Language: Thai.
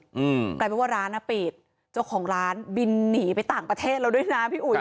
อืมกลายเป็นว่าร้านอ่ะปิดเจ้าของร้านบินหนีไปต่างประเทศแล้วด้วยนะพี่อุ๋ย